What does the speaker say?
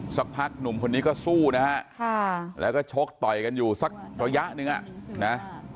สักพักหนุ่มคนนี้ก็สู้นะฮะแล้วก็ชกต่อยกันอยู่สักระยะหนึ่งอ่ะนะ